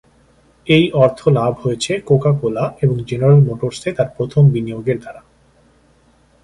এই অর্থ লাভ হয়েছে কোকা কোলা এবং জেনারেল মোটরস এ তাঁর প্রথম বিনিয়োগের দ্বারা।